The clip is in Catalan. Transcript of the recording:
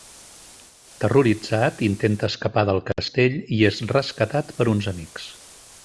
Terroritzat, intenta escapar del castell i és rescatat per uns amics.